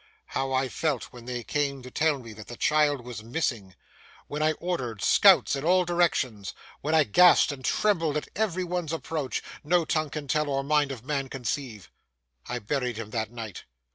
How I felt when they came to tell me that the child was missing, when I ordered scouts in all directions, when I gasped and trembled at every one's approach, no tongue can tell or mind of man conceive. I buried him that night.